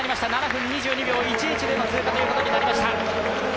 ７分２１秒１１での通過ということになりました。